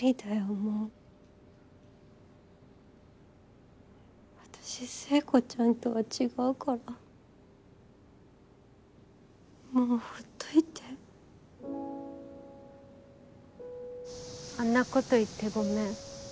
もう私聖子ちゃんとは違うからもうほっといてあんなこと言ってごめん。